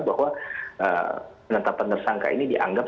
bahwa penetapan tersangka ini dianggap